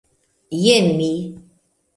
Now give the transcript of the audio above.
Jen mi!